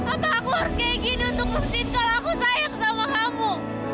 apa aku harus kayak gini untuk membentur aku sayang sama kamu